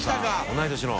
同い年の。